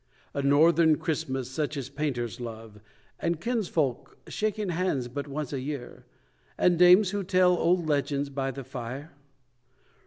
A northern Christmas, such as painters love, And kinsfolk, shaking hands but once a year, And dames who tell old legends by the fire?